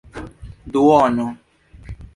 duono